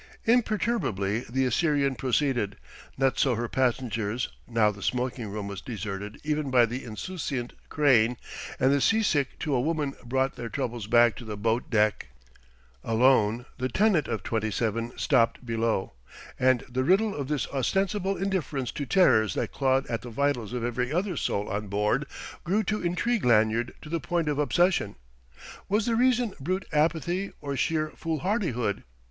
Imperturbably the Assyrian proceeded. Not so her passengers: now the smoking room was deserted even by the insouciant Crane, and the seasick to a woman brought their troubles back to the boat deck. Alone the tenant of 27 stopped below. And the riddle of this ostensible indifference to terrors that clawed at the vitals of every other soul on board grew to intrigue Lanyard to the point of obsession. Was the reason brute apathy or sheer foolhardihood?